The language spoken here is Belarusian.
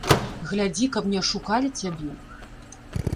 Глядзі, каб не ашукалі цябе.